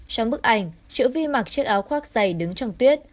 trong bức ảnh triệu vi mặc chiếc áo khoác dày đứng trong tuyết